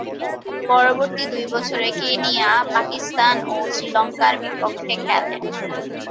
পরবর্তী দুই বছরে কেনিয়া, পাকিস্তান ও শ্রীলঙ্কার বিপক্ষে খেলেন।